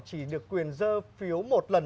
chỉ được quyền dơ phiếu một lần